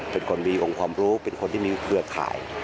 เป็นคนมีองค์ความรู้เป็นคนที่มีเครือข่าย